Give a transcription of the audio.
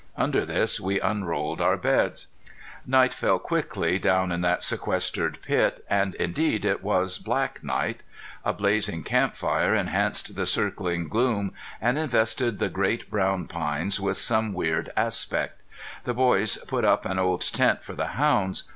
Under this we unrolled our beds. Night fell quickly down in that sequestered pit, and indeed it was black night. A blazing camp fire enhanced the circling gloom, and invested the great brown pines with some weird aspect. The boys put up an old tent for the hounds.